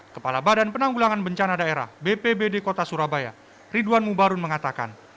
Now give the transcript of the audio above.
kepala badan penanggulangan bencana daerah bpbd kota surabaya ridwan mubarun mengatakan